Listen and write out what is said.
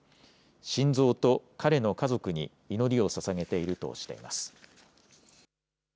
シンゾーと彼の家族に祈りをささげているとしています。